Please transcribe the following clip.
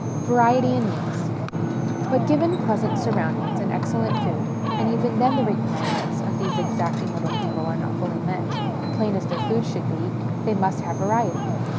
Variety in Meals. But, given pleasant surround ings and excellent food, and even then the requirements of these exacting little people are not fully met : plain as their food should be, they must have variety.